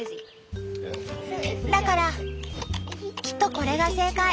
だからきっとこれが正解。